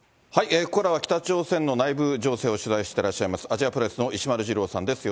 ここからは北朝鮮の内部情勢を取材してらっしゃいます、アジアプレスの石丸次郎さんです。